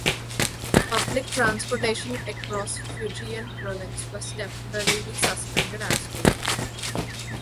Public transportation across Fujian Province was temporarily suspended as well.